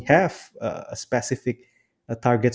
target spesifik pada tahun dua ribu tiga puluh